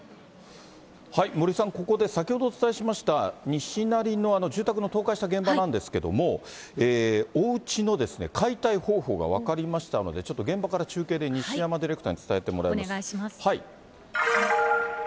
森さん、ここで先ほどお伝えしました、西成の住宅の倒壊した現場なんですけれども、おうちの解体方法が分かりましたので、ちょっと現場から中継で西山ディレクターに伝えてもらいます。